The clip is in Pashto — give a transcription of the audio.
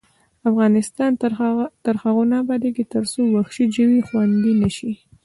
افغانستان تر هغو نه ابادیږي، ترڅو وحشي ژوي خوندي نشي.